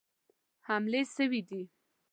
حملې سوي دي.